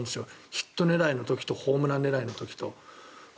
ヒット狙いの時とホームラン狙いの時と。